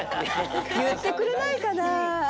いってくれないかなあ？